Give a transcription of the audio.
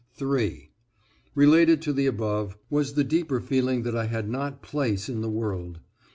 (3) Related to the above, was the deeper feeling that I had not place in the world.